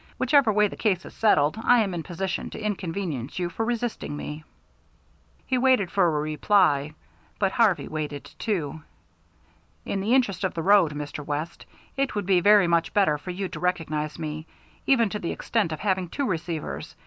Whichever way the case is settled, I am in a position to inconvenience you for resisting me." He waited for a reply, but Harvey waited, too. "In the interest of the road, Mr. West, it would be very much better for you to recognize me, even to the extent of having two receivers.